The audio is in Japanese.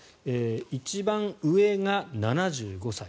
一番上が７５歳。